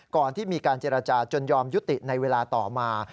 ก่อนที่มีการเจรจาจนยอมยุติในเวลาต่อมา